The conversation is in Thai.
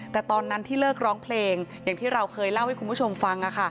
แต่ตอนนั้นที่เลิกร้องเพลงอย่างที่เราเคยเล่าให้คุณผู้ชมฟัง